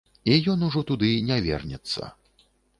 І ён ужо туды не вернецца.